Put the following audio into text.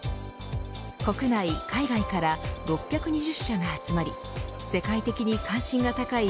国内、海外から６２０社が集まり世界的に関心が高い